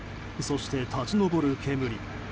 そして、立ち上る煙。